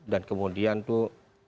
dan kemudian tuh